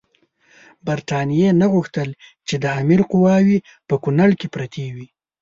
برټانیې نه غوښتل چې د امیر قواوې په کونړ کې پرتې وي.